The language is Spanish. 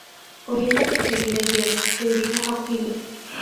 Comienza a perseguir a Jerry, que grita "¡Auxilio!